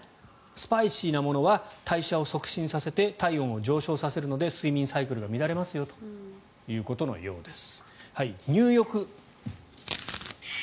スパイシーなものは代謝を促進させて体温を上昇させるので睡眠サイクルが乱れますよということのようです。